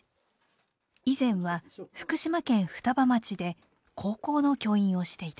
以前は福島県双葉町で高校の教員をしていた。